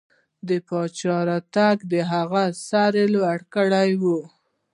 د پاچا راتګ د هغه سر لوړ کړی و.